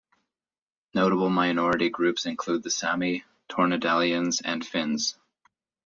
Notable minority groups include the Sami, Tornedalians and Finns.